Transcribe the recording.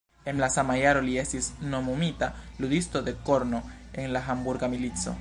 En la sama jaro li estis nomumita ludisto de korno en la Hamburga milico.